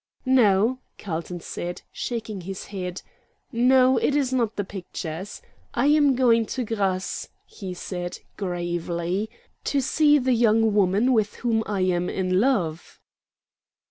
"No," Carlton said, shaking his head. "No, it is not the pictures. I am going to Grasse," he said, gravely, "to see the young woman with whom I am in love."